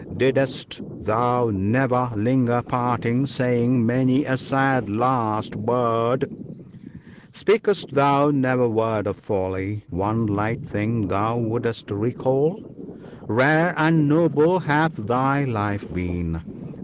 Didst thou never linger parting, saying many a sad last word ? Spak'st thou never word of folly, one light thing thou would'st recall ? Rare and noble hath thy life been